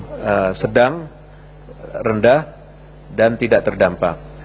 ini adalah kasus yang sedang rendah dan tidak terdampak